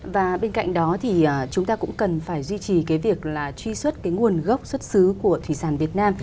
và bên cạnh đó thì chúng ta cũng cần phải duy trì cái việc là truy xuất cái nguồn gốc xuất xứ của thủy sản việt nam